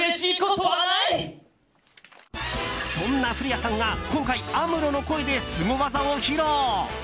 そんな古谷さんが今回、アムロの声でスゴ技を披露。